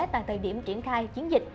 tại thời điểm triển khai chiến dịch